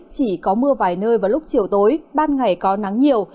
chỉ có mưa vài nơi vào lúc chiều tối ban ngày có nắng nhiều